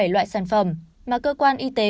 bảy loại sản phẩm mà cơ quan y tế